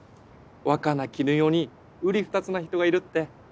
若菜絹代にうり二つな人がいるって。